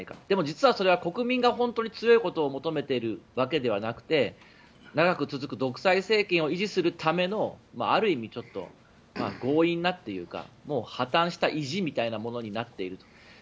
でも実は国民が強いことを求めているわけではなくて長く続く独裁政権を維持するためのある意味、強引なというか破たんした意地みたいなものになっていると。